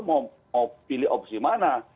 mau pilih opsi mana